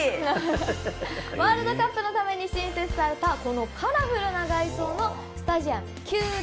ワールドカップのために新設されたこのカラフルな外装のスタジアム９７４。